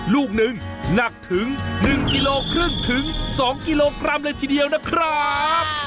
ลูกหนึ่งหนักถึง๑กิโลครึ่งถึง๒กิโลกรัมเลยทีเดียวนะครับ